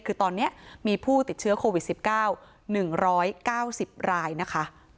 คือตอนนี้มีผู้ติดเชื้อโควิด๑๙หนึ่งร้อยเก้าสิบรายนะคะ